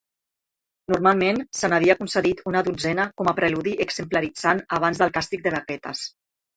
Normalment, se n'havia concedit una dotzena com a preludi exemplaritzant abans del càstig de baquetes.